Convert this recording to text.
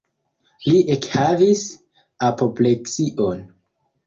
Li ekhavis apopleksion.